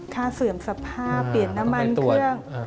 เสื่อมสภาพเปลี่ยนน้ำมันเครื่อง